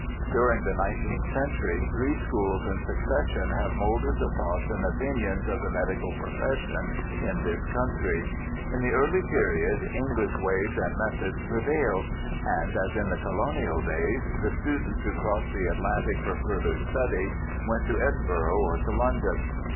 During the nineteenth centur}' three schools in suc cession have moulded the thoughts and opinions of the medical profession in this country. In the early period Enghsh ways and methods prevailed, and (as in the colonial days) the students who crossed the Atlantic for further study went to Edinburgh or to London.